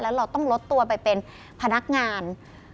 แล้วเราต้องลดตัวไปเป็นพนักงาน